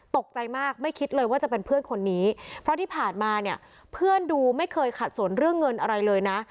ตกใจมากไม่คิดเลยว่าจะเป็นเพื่อนคนนี้เพราะที่ผ่านมาเนี่ยเพื่อนดูไม่เคยขัดสนเรื่องเงินอะไรเลยนะ